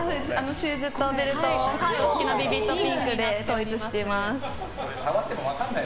シューズとベルトをビビッドピンクで統一しています。